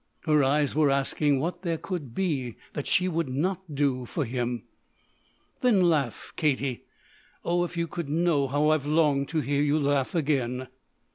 Her eyes were asking what there could be that she would not do for him. "Then laugh, Katie. Oh if you could know how I've longed to hear you laugh again."